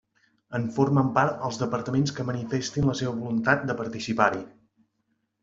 En formen part els departaments que manifestin la seva voluntat de participar-hi.